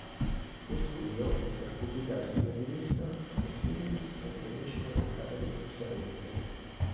Lo studio è stato pubblicato sulla rivista "Proceedings of the National Academy of Sciences".